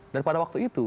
dan pada waktu itu